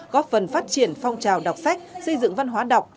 góp phần phát triển phong trào đọc sách xây dựng văn hóa đọc